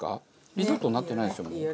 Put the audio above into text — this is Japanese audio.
リゾットになってないですよね。